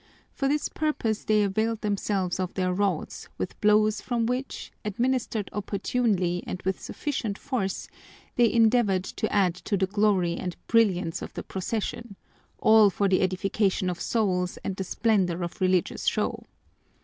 For this purpose they availed themselves of their rods, with blows from which, administered opportunely and with sufficient force, they endeavored to add to the glory and brilliance of the procession all for the edification of souls and the splendor of religious show.